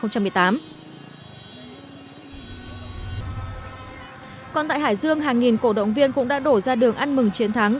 còn tại hải dương hàng nghìn cổ động viên cũng đã đổ ra đường ăn mừng chiến thắng